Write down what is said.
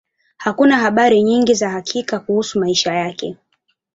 Hakuna habari nyingi za hakika kuhusu maisha yake.